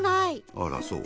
あらそう？